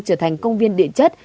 trở thành công viên địa chất